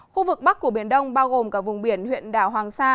khu vực bắc của biển đông bao gồm cả vùng biển huyện đảo hoàng sa